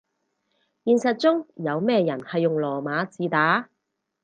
現實中有咩人係用羅馬字打